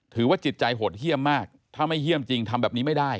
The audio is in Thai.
ถือว่าจิตใจโหดเยี่ยมมากถ้าไม่เยี่ยมจริงทำแบบนี้ไม่ได้